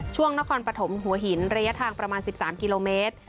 ช่วงนครปฐมหัวหินระยะทางประมาณ๑๓กิโลเมตร